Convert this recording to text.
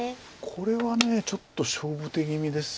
これはちょっと勝負手気味です。